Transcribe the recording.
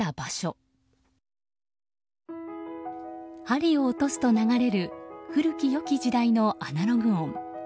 針を落とすと流れる古き良き時代のアナログ音。